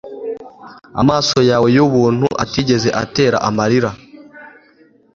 amaso yawe yubuntu atigeze atera amarira